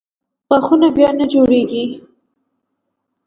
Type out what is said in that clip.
غاښونه بیا نه جوړېږي.